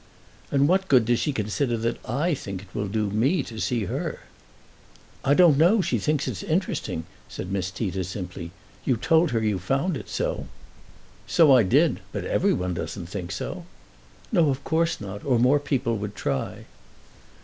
"And what good does she consider that I think it will do me to see her?" "I don't know; she thinks it's interesting," said Miss Tita simply. "You told her you found it so." "So I did; but everyone doesn't think so." "No, of course not, or more people would try."